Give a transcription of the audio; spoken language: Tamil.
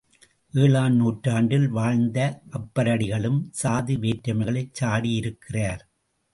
ஏழாம் நூற்றாண்டில் வாழ்ந்த அப்பரடிகளும் சாதி வேற்றுமைகளைச் சாடி இருக்கிறார்.